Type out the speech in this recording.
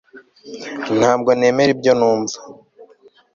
Ntabwo nemera ibyo numva